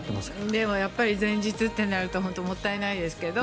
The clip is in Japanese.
でも、やっぱり前日となるともったいないですけど。